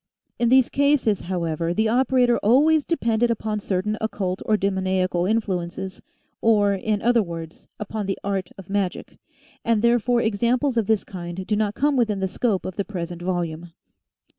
In these cases, however, the operator always depended upon certain occult or demoniacal influences, or, in other words, upon the art of magic, and therefore examples of this kind do not come within the scope of the present volume.